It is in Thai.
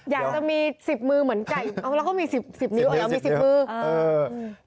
อยากจะมี๑๐มือเหมือนไก่อ้าก็มี๑๐นิ้ว